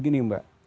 karena begini mbak